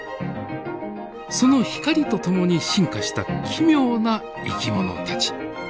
その光と共に進化した奇妙な生き物たち。